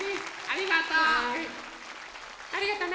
ありがとね！